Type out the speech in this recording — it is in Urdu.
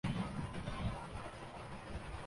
ہاکی ورلڈ کپ میں عبرتناک شکست تحقیقات کیلئے کمیشن تشکیل